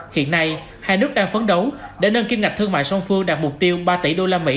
hiện nay hai nước đang phấn đấu để nâng kinh ngạch thương mại song phương đạt mục tiêu ba tỷ đô la mỹ